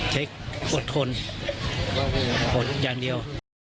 เช็คอดทนอดอย่างเดียว